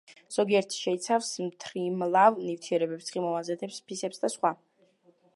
ზოგიერთი შეიცავს მთრიმლავ ნივთიერებებს, ცხიმოვან ზეთებს, ფისებს და სხვა.